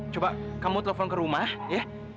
coba kamu telepon ke rumah ya